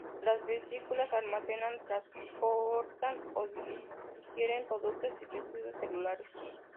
Las vesículas almacenan, transportan o digieren productos y residuos celulares.